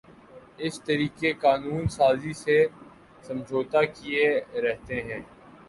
اس طریقِ قانون سازی سے سمجھوتاکیے رہتے ہیں